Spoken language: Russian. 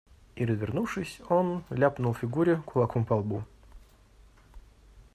И, развернувшись, он ляпнул Фигуре кулаком по лбу.